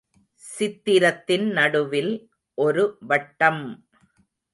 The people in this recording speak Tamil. சித்திரத்தின் நடுவில் ஒரு வட்டம்!